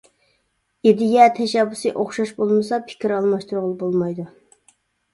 ئىدىيە، تەشەببۇسى ئوخشاش بولمىسا، پىكىر ئالماشتۇرغىلى بولمايدۇ.